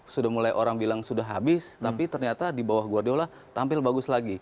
sudah mulai orang bilang sudah habis tapi ternyata di bawah guardiola tampil bagus lagi